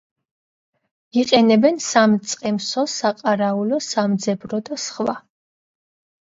იყენებენ სამწყემსო, საყარაულო, სამძებრო და სხვა.